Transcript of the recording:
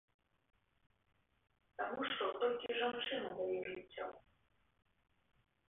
Таму што толькі жанчына дае жыццё.